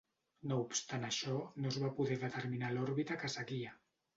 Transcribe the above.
No obstant això, no es va poder determinar l'òrbita que seguia.